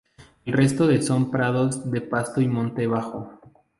El resto de son prados de pasto y monte bajo.